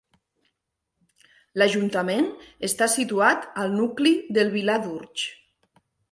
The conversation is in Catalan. L'ajuntament està situat al nucli del Vilar d'Urtx.